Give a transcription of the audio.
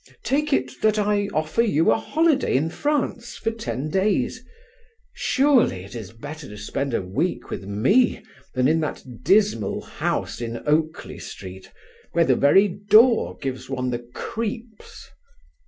Take it that I offer you a holiday in France for ten days. Surely it is better to spend a week with me than in that dismal house in Oakley Street, where the very door gives one the creeps."